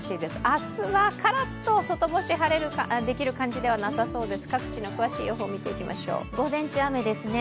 明日はカラッと外干しできる感じではないです。